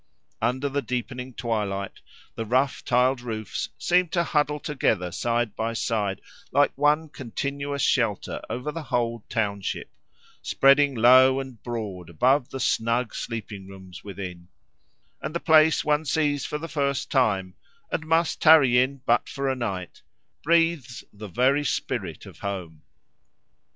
Under the deepening twilight, the rough tiled roofs seem to huddle together side by side, like one continuous shelter over the whole township, spread low and broad above the snug sleeping rooms within; and the place one sees for the first time, and must tarry in but for a night, breathes the very spirit of home.